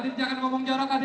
adit jangan ngomong jarak adit